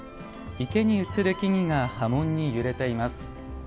池に映る木々が波紋に揺れています。